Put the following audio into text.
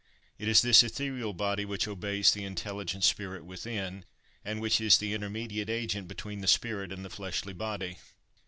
It is this ethereal body which obeys the intelligent spirit within, and which is the intermediate agent between the spirit and the fleshly body.